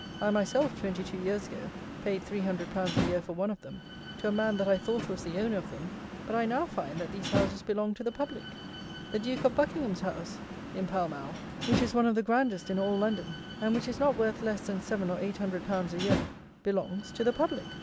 I myself, twenty two years ago, paid three hundred pounds a year for one of them, to a man that I thought was the owner of them; but I now find that these houses belong to the public. The Duke of Buckingham's house in Pall Mall, which is one of the grandest in all London, and which is not worth less than seven or eight hundred pounds a year, belongs to the public.